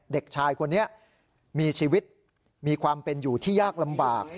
เด็กชายคนนี้มีชีวิตมีความเป็นอยู่ที่ยากลำบาก